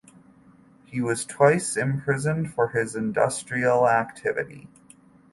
He was twice imprisoned for his industrial activity.